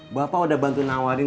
bapak udah bantuin awarin